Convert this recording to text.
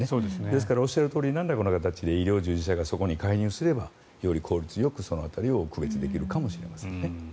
ですから、おっしゃるとおりなんらかの形で医療従事者がそこに介入すればより効率よくその辺りを区別できるかもしれませんね。